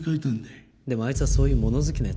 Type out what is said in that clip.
でもあいつはそういう物好きな奴だ。